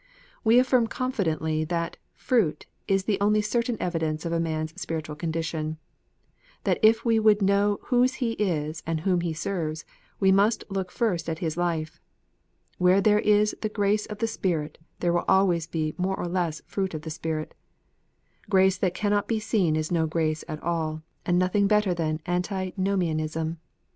We affirm confidently that " fruit " is the only certain evidence of a man s spiritual condition ; that if we would know whose he is and whom he serves, we must look first at his life. Where there is the grace of the Spirit there will be always more or less fruit of the Spirit. Grace that cannot be seen is no grace at all, and nothing better than Antinomianism.